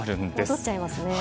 戻っちゃいますね。